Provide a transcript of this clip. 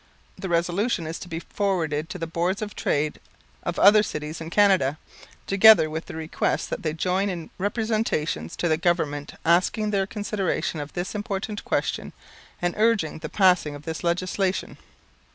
The resolution is to be forwarded to the Boards of Trade of other cities in Canada, together with the request that they join in representations to the Government asking their consideration of this important question, and urging the passing of this legislation.